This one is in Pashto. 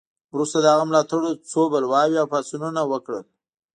وروسته د هغه ملاتړو څو بلواوې او پاڅونونه وکړل.